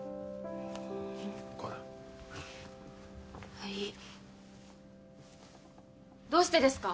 はいどうしてですか？